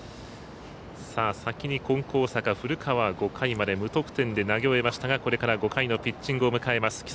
先に金光大阪古川、５回まで無得点で投げ終えましたがこれから５回のピッチングを迎えます